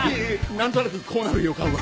何となくこうなる予感は。